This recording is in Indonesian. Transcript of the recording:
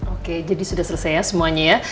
oke jadi sudah selesai ya semuanya ya